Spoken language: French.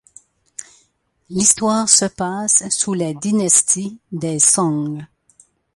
L'histoire se passe sous la dynastie des Song.